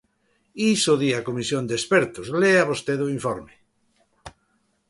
Iso di a comisión de expertos, lea vostede o informe.